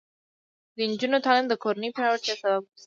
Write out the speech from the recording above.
د نجونو تعلیم د کورنۍ پیاوړتیا سبب ګرځي.